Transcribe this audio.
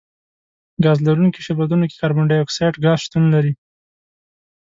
ګاز لرونکي شربتونو کې کاربن ډای اکسایډ ګاز شتون لري.